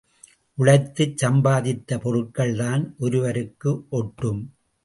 உழைத்து சம்பாதித்த பொருட்கள் தான் ஒருவருக்கு ஒட்டும்.